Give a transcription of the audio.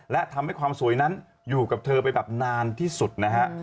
และทำให้ความสวยนั้นอยู่กับเธอไปแบบนานที่สุดนะฮะ